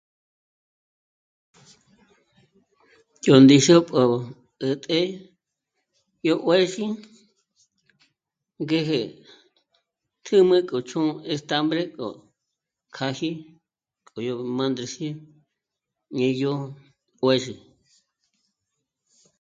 Yó ndíxu pó 'ä̀t'ä yó juë̌zhi ngéje kjǚmü k'o chù'u estambre k'o kjáji k'o yó mândres'i ñé yó juë̌zhi